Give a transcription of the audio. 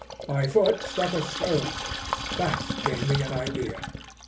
My foot struck a stone. That gave me an idea.